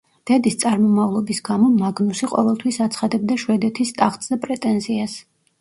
დედის წარმომავლობის გამო, მაგნუსი ყოველთვის აცხადებდა შვედეთის ტახტზე პრეტენზიას.